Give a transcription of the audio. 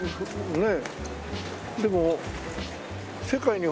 ねえ。